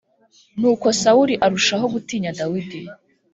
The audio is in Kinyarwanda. Nuko Sawuli arushaho gutinya Dawidi